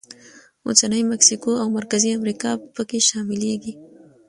اوسنۍ مکسیکو او مرکزي امریکا پکې شاملېږي.